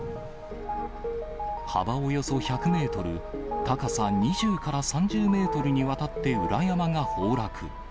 幅およそ１００メートル、高さ２０から３０メートルにわたって裏山が崩落。